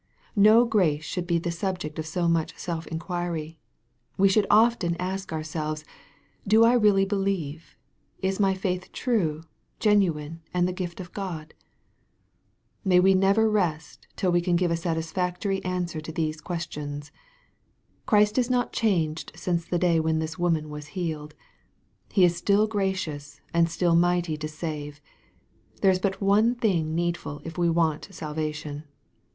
No grace should be the subject of so much self inquiry. We should often ask ourselves, Do I really believe ? Is my faith true, gen nine, and the gift of God ? May we never rest till we can give a satisfactory an swer to these questions ! Christ is not changed since the day when this woman was healed. He is still gracioua and still mighty to save. There is but one thing needfu] if we want salvation.